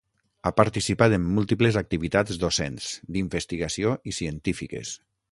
Ha participat en múltiples activitats docents, d'investigació i científiques.